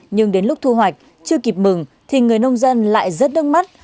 nhưng đến lúc thu hoạch chưa kịp mừng thì người nông dân lại rớt đớn mắt